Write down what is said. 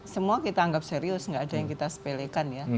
semua kita anggap serius nggak ada yang kita sepelekan ya